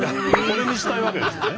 これにしたいわけですね。